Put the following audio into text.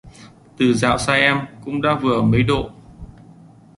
Từ dạo xa em cũng đã vừa mấy độ